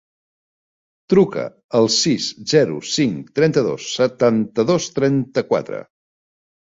Truca al sis, zero, cinc, trenta-dos, setanta-dos, trenta-quatre.